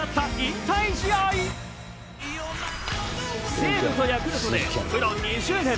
西武とヤクルトでプロ２０年。